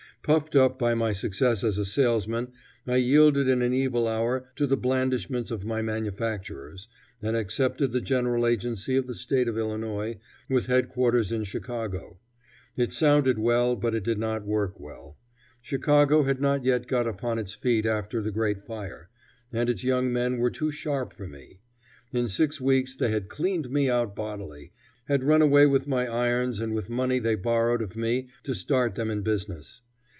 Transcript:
Puffed up by my success as a salesman, I yielded in an evil hour to the blandishments of my manufacturers, and accepted the general agency of the State of Illinois, with headquarters in Chicago. It sounded well, but it did not work well. Chicago had not yet got upon its feet after the great fire; and its young men were too sharp for me. In six weeks they had cleaned me out bodily, had run away with my irons and with money they borrowed of me to start them in business.